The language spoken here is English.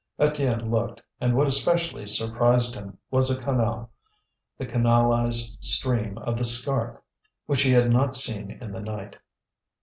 Étienne looked, and what especially surprised him was a canal, the canalized stream of the Scarpe, which he had not seen in the night.